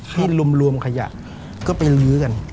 ที่รวมขยะก็ไปลื้อกัน